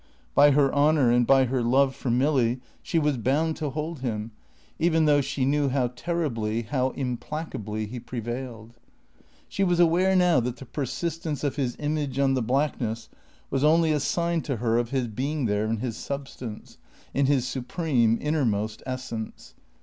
By her honour, and by her love for Milly she was bound to hold him, even though she knew how terribly, how implacably he prevailed. She was aware now that the persistence of his image on the blackness was only a sign to her of his being there in his substance; in his supreme innermost essence.